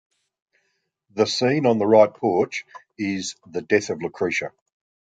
The scene on the right porch is the death of Lucretia.